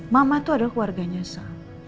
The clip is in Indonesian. mama itu adalah keluarganya soal